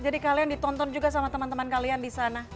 jadi kalian ditonton juga sama teman teman kalian di sana